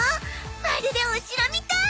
まるでお城みたい！